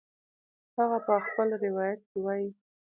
هغه په خپل روایت کې وایي